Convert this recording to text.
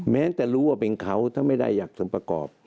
แม้จะรู้ว่าเป็นเขาถ้าไม่ได้อยากสมประกอบ